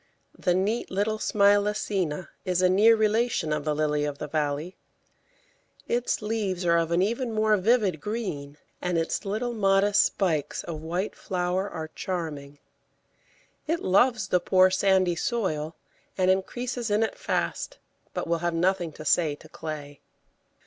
The neat little Smilacina is a near relation of the Lily of the Valley; its leaves are of an even more vivid green, and its little modest spikes of white flower are charming. It loves the poor, sandy soil, and increases in it fast, but will have nothing to say to clay.